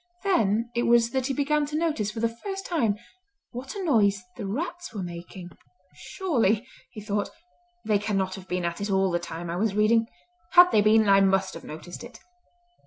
Then it was that he began to notice for the first time what a noise the rats were making. "Surely," he thought, "they cannot have been at it all the time I was reading. Had they been, I must have noticed it!"